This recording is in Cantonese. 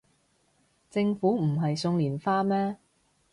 政府唔係送連花咩